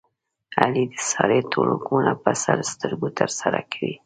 علي د سارې ټول حکمونه په سر سترګو ترسره کوي.